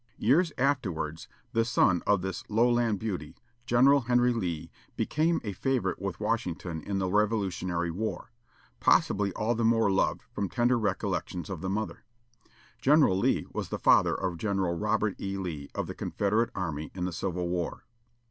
Years afterwards, the son of this "Lowland Beauty," General Henry Lee, became a favorite with Washington in the Revolutionary War; possibly all the more loved from tender recollections of the mother. General Lee was the father of General Robert E. Lee of the Confederate Army, in the Civil War.